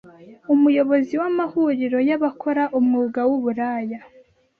Umuyobozi w’amahuriro y’abakora umwuga w’uburaya